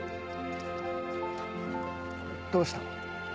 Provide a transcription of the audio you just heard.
どうした？